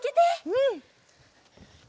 うん！